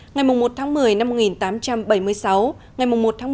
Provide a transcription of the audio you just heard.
ngày một một mươi một nghìn tám trăm bảy mươi sáu ngày một một mươi hai nghìn một mươi sáu